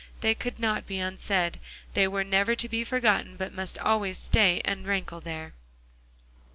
They could not be unsaid; they were never to be forgotten but must always stay and rankle there.